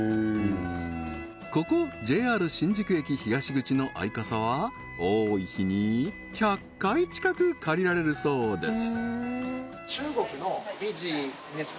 ここＪＲ新宿駅東口のアイカサは多い日に１００回近く借りられるそうです